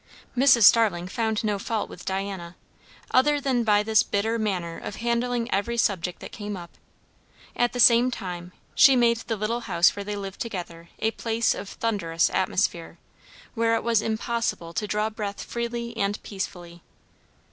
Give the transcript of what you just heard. Mrs. Starling found no fault with Diana, other than by this bitter manner of handling every subject that came up; at the same time she made the little house where they lived together a place of thunderous atmosphere, where it was impossible to draw breath freely and peacefully.